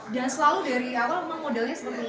dan selalu dari awal emang modelnya seperti ini